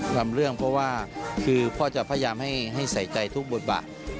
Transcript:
ทำเรื่องเพราะว่าคือพ่อจะพยายามให้ใส่ใจทุกบทบาท